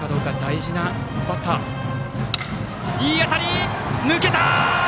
いい当たり、抜けた！